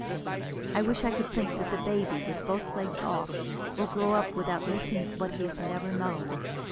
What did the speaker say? I wish I could think that the baby with both legs off will grow up without missing what it has never known.